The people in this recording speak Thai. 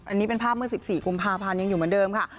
อันนี้เป็นภาพเมื่อ๑๔กุมภาพันธ์ยังอยู่เหมือนเดิมค่ะ